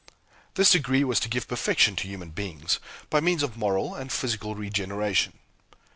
This degree was to give perfection to human beings, by means of moral and physical regeneration.